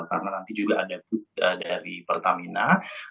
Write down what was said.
karena nanti juga ada booth dari pertamina ghost to campus ini ya